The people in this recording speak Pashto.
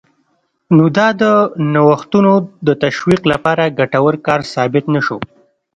نو دا د نوښتونو د تشویق لپاره ګټور کار ثابت نه شو